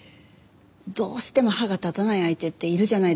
どうしても歯が立たない相手っているじゃないですか。